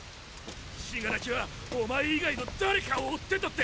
死柄木はおまえ以外の「誰か」を追ってたって！